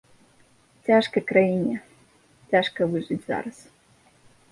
Цяжка краіне, цяжка выжыць зараз.